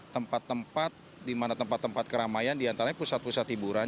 tempat tempat di mana tempat tempat keramaian diantaranya pusat pusat hiburan